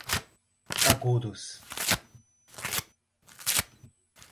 Agudos